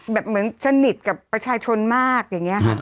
เหมือนสนิทกับประชาชนมากอย่างนี้ค่ะ